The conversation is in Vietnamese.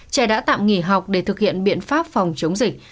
trẻ đã tạm nghỉ học để thực hiện biện pháp phòng chống dịch